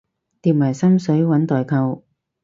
疊埋心水搵代購